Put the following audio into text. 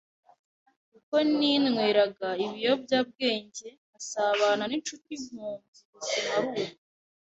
kuko ninyweraga ibiyobyabwenge nkasabana n’inshuti nkumva ubuzima ari ubwo,